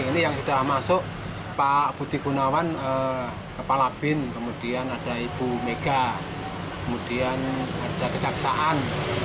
ini yang sudah masuk pak budi gunawan kepala bin kemudian ada ibu mega kemudian ada kejaksaan